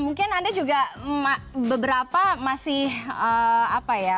mungkin anda juga beberapa masih apa ya